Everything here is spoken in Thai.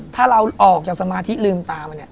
ถ้าเราออกจากสมาธิลืมตามาเนี่ย